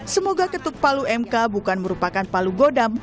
semoga ketuk palu mk bukan merupakan palu godam